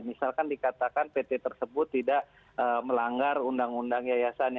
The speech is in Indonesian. misalkan dikatakan pt tersebut tidak melanggar undang undang yayasannya